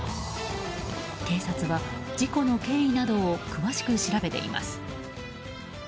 警察は、事故の経緯などを詳しく調べています。